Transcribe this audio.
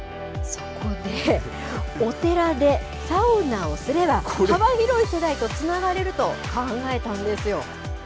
そこで、お寺でサウナをすれば、幅広い世代とつながれると考えたんですよ。